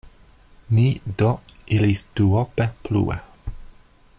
Ni do iris duope plue.